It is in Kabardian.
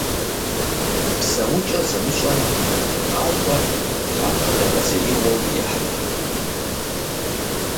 ПсэукӀэ зымыщӀэм гъащӀэр лъапэдэгъэзеигъуэу ехьыр.